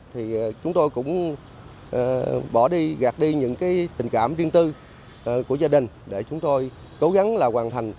thì chúng tôi cũng bỏ đi gạt đi những tình cảm riêng tư của gia đình để chúng tôi cố gắng là hoàn thành